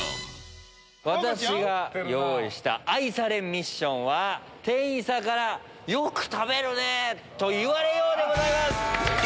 私が用意した愛されＭＩＳＳＩＯＮは「店員さんから『よく食べるね』と言われよう！」でございます。